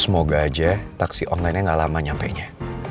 semoga aja taksi online nya gak lama nyampainya